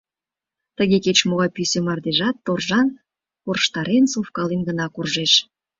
Тыге кеч-могай пӱсӧ мардежат торжан корштарен-совкален гына куржеш.